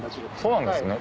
そうなんですね